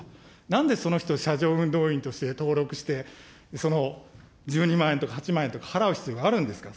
なんでその人、車上運動員として登録して、その１２万円とか８万円とか、払う必要があるんですか。